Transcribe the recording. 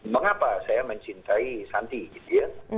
mengapa saya mencintai santi gitu ya